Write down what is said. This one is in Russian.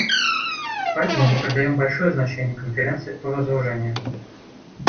Поэтому мы придаем большое значение Конференции по разоружению.